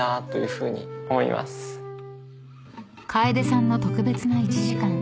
［楓さんの特別な１時間］